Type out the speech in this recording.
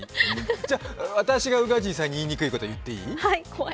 じゃあ、私が宇賀神さんに言いにくいこと言っていい？